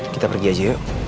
kita pergi aja yuk